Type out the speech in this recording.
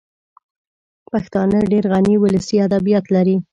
پښتانه ډېر غني ولسي ادبیات لري